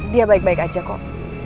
dia baik baik aja kok